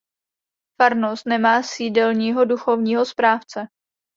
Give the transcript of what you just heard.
Farnost nemá sídelního duchovního správce.